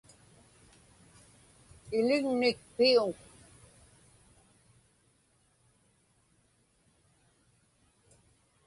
Iliŋnik piuŋ.